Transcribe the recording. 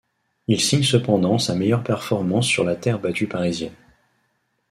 Il signe cependant sa meilleure performance sur la terre battue parisienne.